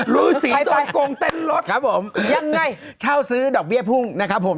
รูสีโดนโกงเต้นรถครับผมยังไงเช่าซื้อดอกเบี้ยพุ่งนะครับผม